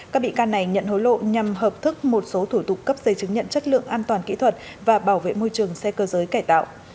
các bị can này nhận hối lộ nhằm hợp thức một số thủ tục cấp giấy chứng nhận chất lượng an toàn kỹ thuật và bảo vệ môi trường xe cơ giới cải tạo